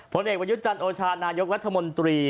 ผลเอกประยุทธ์จันทร์โอชานายกรัฐมนตรี